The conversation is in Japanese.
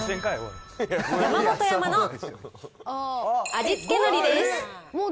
山本山の味付海苔です。